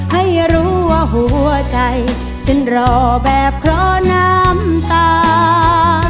ให้รู้ว่าหัวใจฉันรอแบบเพราะน้ำตา